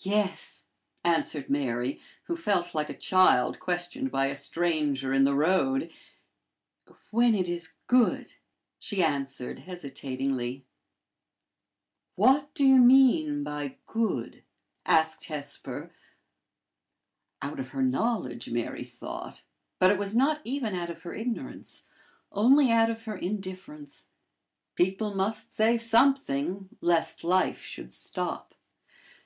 "Yes," answered Mary, who felt like a child questioned by a stranger in the road; " when it is good," she added, hesitatingly. "What do you mean by good?" asked Hesper out of her knowledge, Mary thought, but it was not even out of her ignorance, only out of her indifference. People must say something, lest life should stop.